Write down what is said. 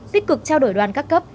tích cực trao đổi đoàn các cấp